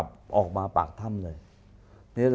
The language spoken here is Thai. อเรนนี่แหละอเรนนี่แหละ